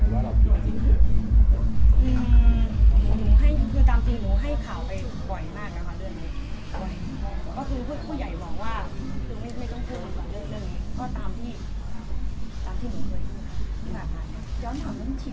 จริงหนูให้ข่าวไปบ่อยมากนะครับเรื่องนี้